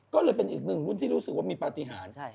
ก็เลยเป็นอีกหนึ่งรุ่นที่รู้สึกว่ามีปฏิหาร